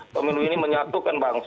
pemilu ini menyatukan bangsa